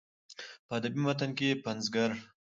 په ادبي متن کې پنځګر